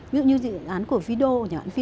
ví dụ như dự án của vido nhà bạn vido